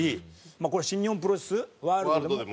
これ新日本プロレスワールドでも。